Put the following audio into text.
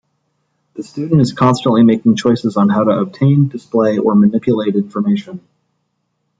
The student is constantly making choices on how to obtain, display, or manipulate information.